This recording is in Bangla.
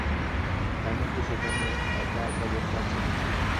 রানু কি সেখানে একা-একা বসে আছে নাকি?